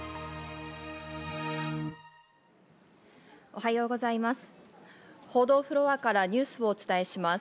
おはようございます。